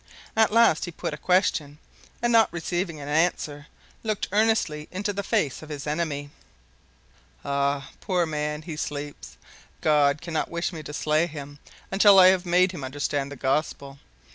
At last he put a question, and, not receiving an answer, looked earnestly into the face of his enemy. "Ah! poor man. He sleeps. God cannot wish me to slay him until I have made him understand the gospel.